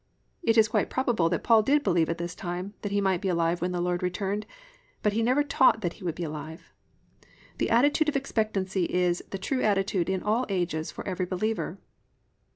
It is quite probable that Paul did believe at this time that he might be alive when the Lord returned but he never taught that he would be alive. The attitude of expectancy is the true attitude in all ages for every believer.